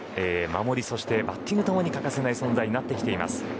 守りとバッティング共に欠かせない存在になってきています。